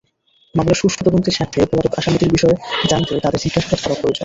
মামলার সুষ্ঠু তদন্তের স্বার্থে পলাতক আসামিদের বিষয়ে জানতে তাঁদের জিজ্ঞাসাবাদ করা প্রয়োজন।